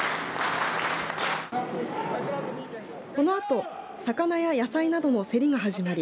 このあと魚や野菜などの競りが始まり